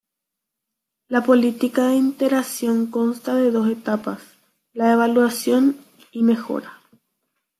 La política de iteración consta de dos etapas: "la evaluación" y "mejora".